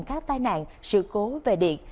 các tai nạn sự cố về điện